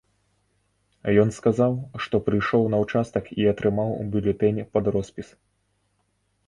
Ён сказаў, што прыйшоў на ўчастак і атрымаў бюлетэнь пад роспіс.